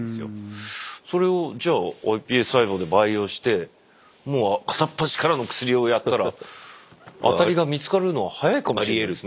それをじゃあｉＰＳ細胞で培養してもう片っ端からの薬をやったら当たりが見つかるのは早いかもしれないですね。